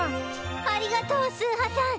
ありがとうスーハさん！